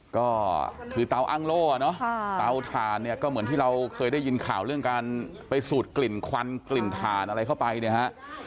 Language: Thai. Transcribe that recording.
ก็คือเตาอ้างโล่เนอะเตาถ่านเนี่ยก็เหมือนที่เราเคยได้ยินข่าวเรื่องการไปสูดกลิ่นควันกลิ่นถ่านอะไรเข้าไปเนี่ยฮะ